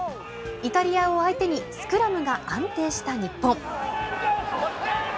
イタリアを相手にスクラムが安定した日本。